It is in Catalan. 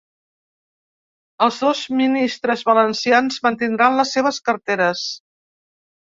Els dos ministres valencians mantindran les seves carteres.